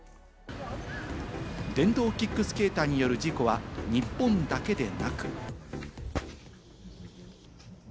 電動キックスケーターによる事故は、日本だけでなく。